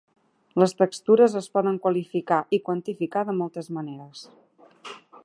Les textures es poden qualificar i quantificar de moltes maneres.